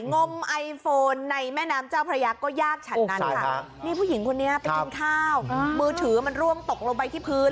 นี่ผู้หญิงคนนี้ไปเธอน่าข้าวมือถือมันล่วงตกลงไปที่พื้น